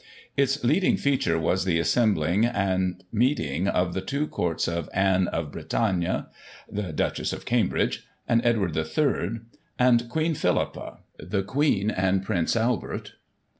Its leading feature was the assembling and meeting of the two Courts of Anne of Bretagne (the Duchess of Cambridge) and Edward III. and Queen Phillipa (The Queen and Prince Albert).